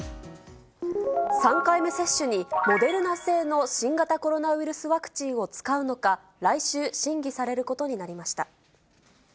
３回目接種に、モデルナ製の新型コロナウイルスワクチンを使うのか、来週、審議されることになりました。